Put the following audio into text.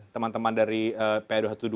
teman teman dari pa dua ratus dua belas